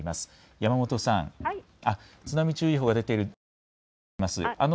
山本さん、津波注意報が出ている中、恐れ入ります。